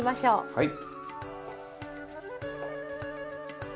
はい。